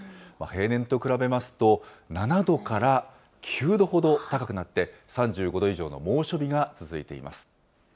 平年と比べますと、７度から９度ほど高くなって、３５度以上の猛暑日が続いています。